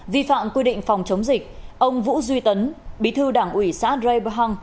vi phạm quy định phòng chống dịch ông vũ duy tấn bí thư đảng ủy xã drei bờ hăng